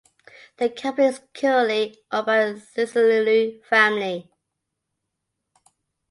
The company is currently owned by the Sisulu family.